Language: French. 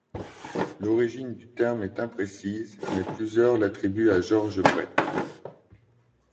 L'origine du terme est imprécise, mais plusieurs l'attribuent à George Brett.